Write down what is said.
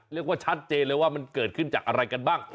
ชัดเจนเลยว่ามันเกิดขึ้นจากอะไรกันบ้าง